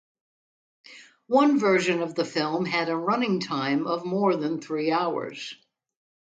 One version of the film had a running time of more than three hours.